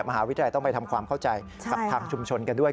มหาวิทยาลัยต้องไปทำความเข้าใจกับทางชุมชนกันด้วย